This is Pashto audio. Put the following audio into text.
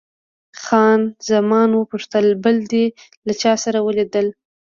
خان زمان وپوښتل، بل دې له چا سره ولیدل؟